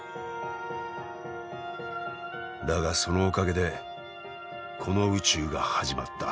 だがそのおかげでこの宇宙が始まった。